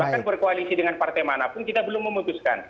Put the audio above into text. bahkan berkoalisi dengan partai manapun kita belum memutuskan